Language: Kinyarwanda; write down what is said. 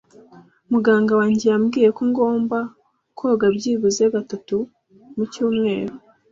Muganga wanjye yambwiye ko ngomba koga byibuze gatatu mu cyumweru.